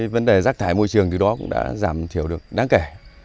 vấn đề rác thải môi trường thì đó cũng đã giảm thiểu được đáng kể